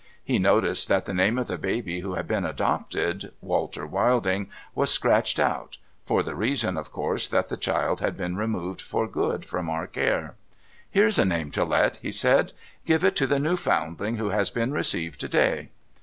He noticed that the name of the baby who had been adopted (" Walter Wilding ") was scratched out — for the reason, of course, that the child had been removed for good from our care. " Here's a name to let," he said. " Give it to the new foundling who has been received to day."